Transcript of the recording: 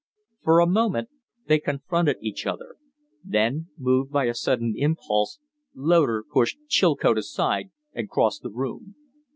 For a moment they confronted each other. Then, moved by a sudden impulse, Loder pushed Chilcote aside and crossed the room.